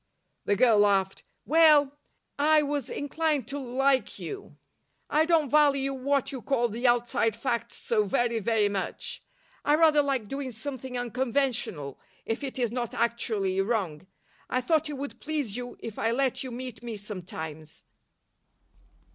The girl laughed. "Well, I was inclined to like you. I don't value what you call the outside facts so very, very much. I rather like doing something unconventional, if it is not actually wrong. I thought it would please you if I let you meet me sometimes."